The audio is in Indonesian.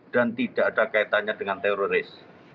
dan tidak ada kaitannya dengan teroris